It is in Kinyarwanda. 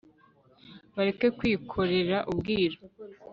bareke kwikorera ubwiru